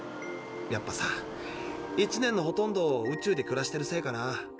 やっぱさ１年のほとんどを宇宙で暮らしてるせいかな。